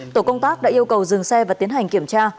tổ công tác đã yêu cầu dừng xe và tiến hành kiểm tra